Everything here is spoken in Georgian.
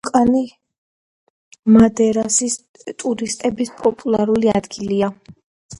ვულკანი მადერასი ტურისტების პოპულარული ადგილია.